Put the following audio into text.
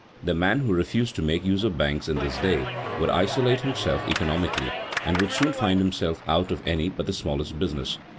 The man who refused to make use of banks in this day would isolate himself economically, and would soon find himself out of any but the smallest business.